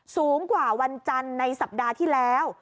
สูงกว่าวันจันทร์ในสัปดาห์ที่แล้ว